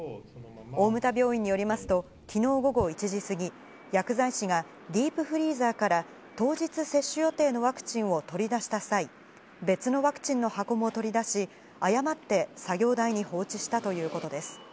大牟田病院によりますと、きのう午後１時過ぎ、薬剤師が、ディープフリーザーから当日接種予定のワクチンを取り出した際、別のワクチンの箱も取り出し、誤って作業台に放置したということです。